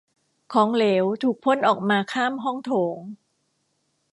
ของเหลวถูกพ่นออกมาข้ามห้องโถง